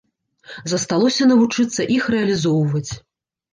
Засталося навучыцца іх рэалізоўваць.